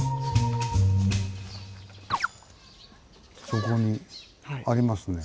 そこにありますね。